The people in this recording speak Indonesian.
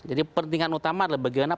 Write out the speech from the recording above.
jadi pentingan utama adalah bagaimana